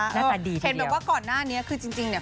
หน้าตาดีทีเดียวเห็นไหมว่าก่อนหน้านี้คือจริงเนี่ย